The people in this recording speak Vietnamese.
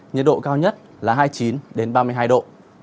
nhiệt độ cao nhất là hai mươi chín ba mươi hai độ